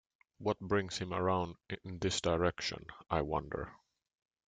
What brings him around in this direction, I wonder!